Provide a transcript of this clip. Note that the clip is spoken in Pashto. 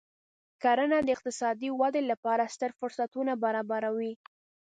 کرنه د اقتصادي ودې لپاره ستر فرصتونه برابروي.